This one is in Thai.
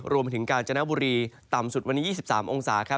รวมถึงกาญจนบุรีต่ำสุดวันนี้๒๓องศาครับ